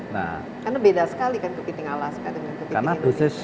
karena beda sekali kan kepiting alaska dengan kepiting indonesia